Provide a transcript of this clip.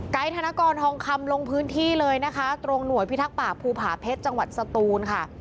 ธนกรทองคำลงพื้นที่เลยนะคะตรงหน่วยพิทักษ์ป่าภูผาเพชรจังหวัดสตูนค่ะ